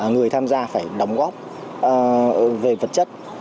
người tham gia phải đóng góp về vật chất